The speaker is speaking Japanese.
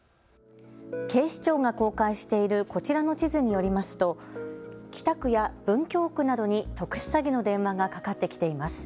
警視庁が公開しているこちらの地図によりますと北区や文京区などに特殊詐欺の電話がかかってきています。